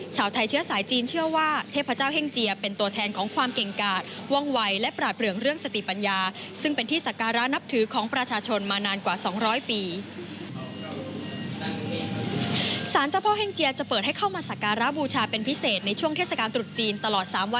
สารเจ้าพ่อแห่งเจียแห่งนี้มีองค์เทพเจ้าแห่งเจียปางต่างแต่ปางที่สำคัญที่สุดคือปางสำเร็จเป็นอรหารแล้ว